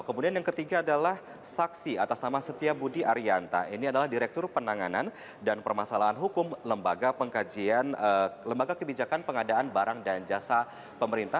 kemudian yang ketiga adalah saksi atas nama setia budi arianta ini adalah direktur penanganan dan permasalahan hukum lembaga pengkajian lembaga kebijakan pengadaan barang dan jasa pemerintah